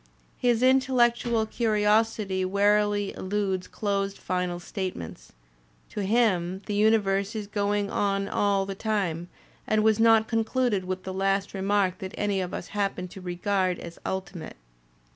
His intellectual curi osity warily eludes closed final statements; to him the uni verse is going on all the time and was not concluded with the last remark that any of us happened to regard as ul timate.